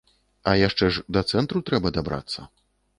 А яшчэ ж да цэнтру трэба дабрацца.